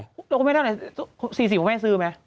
ลงไปเท่าไหร่๔๐บาทให้ซื้อไหม